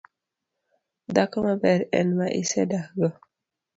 Dhako maber en ma isedakgo